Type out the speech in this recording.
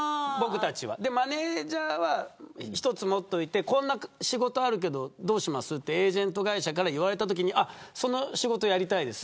マネジャーは１つ持っておいてこんな仕事あるけどどうしますってエージェント会社から言われたときにその仕事やりたいです